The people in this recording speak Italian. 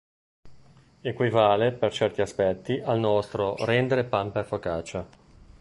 Equivale per certi aspetti al nostro "rendere pan per focaccia".